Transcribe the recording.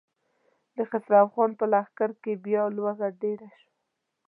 د خسرو خان په لښکر کې بيا لوږه ډېره شوه.